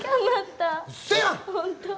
うそやん！